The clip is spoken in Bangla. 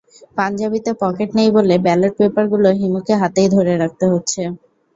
পাঞ্জাবিতে পকেট নেই বলে ব্যালট পেপারগুলো হিমুকে হাতেই ধরে রাখতে হচ্ছে।